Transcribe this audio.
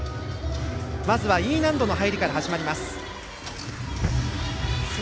まずはＥ難度の入りから始まります。